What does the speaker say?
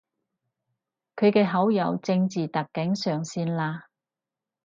你嘅好友正字特警上線喇